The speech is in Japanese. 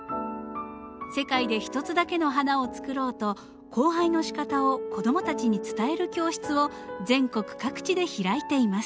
世界で一つだけの花を作ろうと交配のしかたを子供たちに伝える教室を全国各地で開いています。